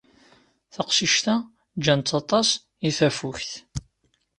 Taqcict-a ǧǧan-tt aṭas i tafukt.